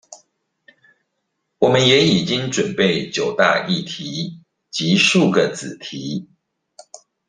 我們也已經準備九大議題及數個子題